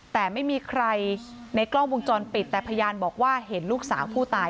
แต่ไม่มีใครในกล้องวงจรปิดแต่พยานบอกว่าเห็นลูกสาวผู้ตาย